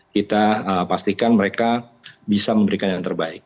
kita pastikan mereka bisa memberikan yang terbaik